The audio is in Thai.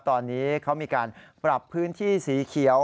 ตอนนี้เขามีการปรับพื้นที่สีเขียว